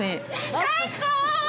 最高！